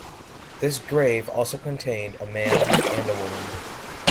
This grave also contained a man and a woman.